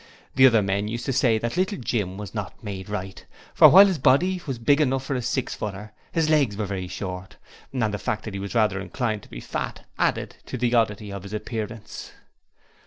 The other men used to say that Little Jim was not made right, for while his body was big enough for a six footer, his legs were very short, and the fact that he was rather inclined to be fat added to the oddity of his appearance.